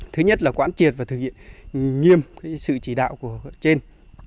thứ nhất là quán triệt và thực hiện nghiêm sự chỉ đạo của trên